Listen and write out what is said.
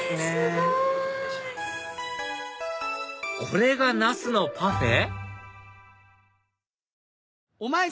これが茄子のパフェ⁉